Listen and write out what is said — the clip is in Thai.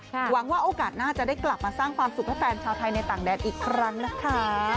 หวังว่าโอกาสหน้าจะได้กลับมาสร้างความสุขให้แฟนชาวไทยในต่างแดนอีกครั้งนะคะ